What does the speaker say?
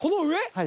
はい。